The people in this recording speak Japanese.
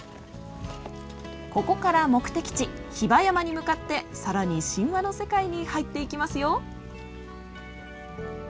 ここから目的地比婆山に向かって更に神話の世界に入っていきますよ。